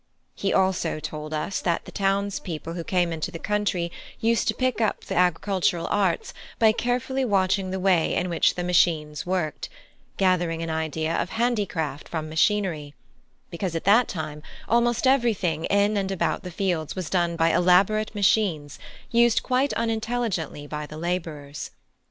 He told us also that the townspeople who came into the country used to pick up the agricultural arts by carefully watching the way in which the machines worked, gathering an idea of handicraft from machinery; because at that time almost everything in and about the fields was done by elaborate machines used quite unintelligently by the labourers.